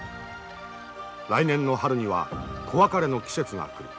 来年の春には子別れの季節が来る。